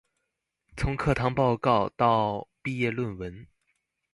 從課堂報告到畢業論文